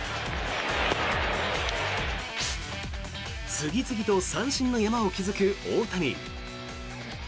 次々と三振の山を築く大谷。